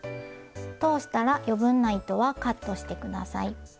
通したら余分な糸はカットして下さい。